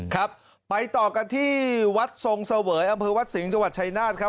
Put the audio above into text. ครับไปต่อกันที่วัดทรงเสวยอำเภอวัดสิงห์จังหวัดชายนาฏครับ